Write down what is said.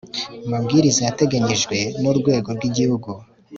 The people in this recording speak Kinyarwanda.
mabwiriza yateganyijwe n Urwego rw Igihugu